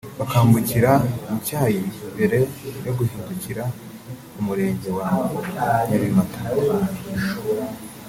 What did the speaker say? bakambukira mu cyayi mbere yo guhingukira ku Murenge wa Nyabimata